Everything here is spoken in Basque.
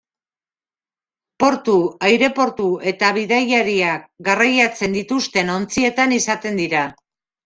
Portu, aireportu eta bidaiariak garraiatzen dituzten ontzietan izaten dira.